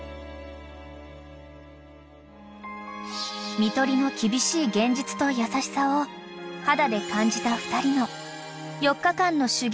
［看取りの厳しい現実と優しさを肌で感じた２人の４日間の］